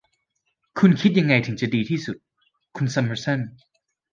คุณคิดยังไงถึงจะดีที่สุด คุณซัมเมอร์สัน